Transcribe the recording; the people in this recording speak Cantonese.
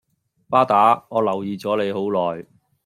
巴打我留意左你好耐